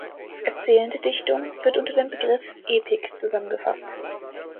Erzählende Dichtung wird unter dem Begriff Epik zusammengefasst.